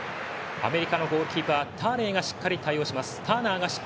アメリカのゴールキーパーターナーがしっかり対応します。